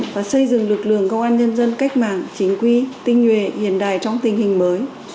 và xây dựng lực lượng công an nhân dân cách mạng chính quy tinh nhuệ hiện đại trong tình hình mới